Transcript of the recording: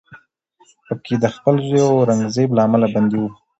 په کې د خپل زوی اورنګزیب له امله بندي و